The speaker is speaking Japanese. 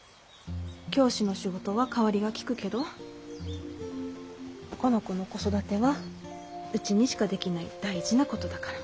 教師の仕事は代わりがきくけどこの子の子育てはうちにしかできない大事なことだから。